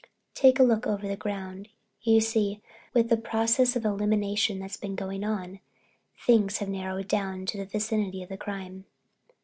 "Take a look over the ground. You see, with the process of elimination that's been going on things have narrowed down to the vicinity of the crime.